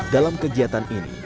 dalam kegiatan ini